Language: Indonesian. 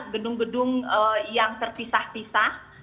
gedung gedung yang terpisah pisah